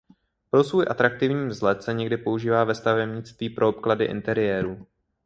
Pro svůj atraktivní vzhled se někdy používá ve stavebnictví pro obklady interiérů.